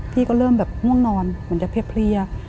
ก็เริ่มแบบง่วงนอนเหมือนจะเพลีย